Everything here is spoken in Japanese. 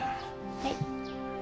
はい。